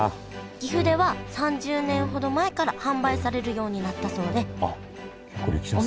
岐阜では３０年ほど前から販売されるようになったそうであっ結構歴史浅いんだ。